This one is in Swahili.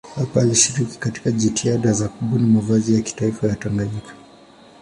Hapa alishiriki katika jitihada za kubuni mavazi ya kitaifa ya Tanganyika.